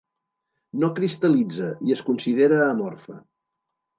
No cristal·litza, i es considera amorfa.